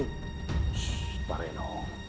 shh pak reno